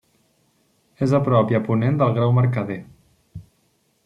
És a prop i a ponent del Grau Mercader.